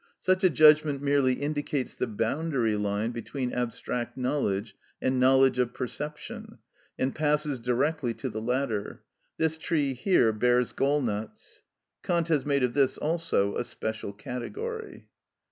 Such a judgment merely indicates the boundary line between abstract knowledge and knowledge of perception, and passes directly to the latter, "This tree here bears gall nuts." Kant has made of this also a special category.